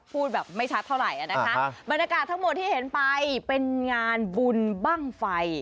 พูดแบบไม่ชัดเท่าไหร่อ่ะนะคะบรรยากาศทั้งหมดที่เห็นไปเป็นงานบุญบ้างไฟ